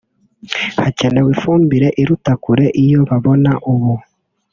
hakenewe ifumbire iruta kure iyo babona ubu